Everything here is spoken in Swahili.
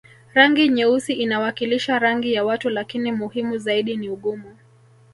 Rangi nyeusi inawakilisha rangi ya watu lakini muhimu zaidi ni ugumu